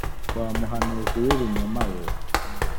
wa muhanuzi w ibinyoma we